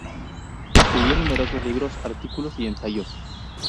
Escribió numerosos libros, artículos y ensayos.